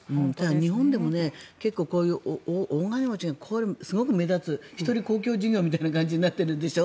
日本でも結構こういう大金持ちがすごく目立つ１人公共事業みたいな感じになってるんでしょ。